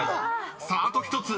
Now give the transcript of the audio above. さああと１つ。